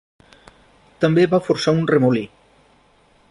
També va forçar un remolí.